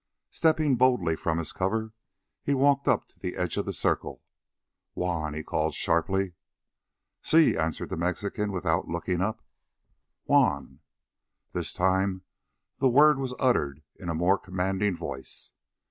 Stepping boldly from his cover, he walked up to the edge of the circle. "Juan!" he called sharply. "Si," answered the Mexican, without looking up. "Juan!" This time the word was uttered in a more commanding voice.